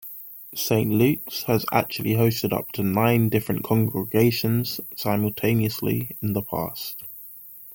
Saint Luke's has actually hosted up to nine different congregations simultaneously in the past.